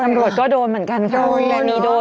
ตำรวจก็โดนเหมือนกันค่ะ